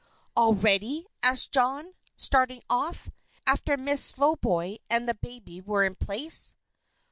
"All ready?" asked John, starting off, after Miss Slowboy and the baby were in place.